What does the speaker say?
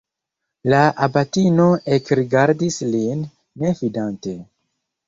La abatino ekrigardis lin, ne fidante.